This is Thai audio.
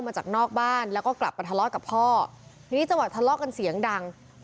ไอ้ไอ้ไอ้ไอ้ไอ้ไอ้ไอ้ไอ้ไอ้